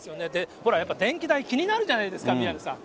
ほらやっぱり、電気代、気になるじゃないですか、宮根さん。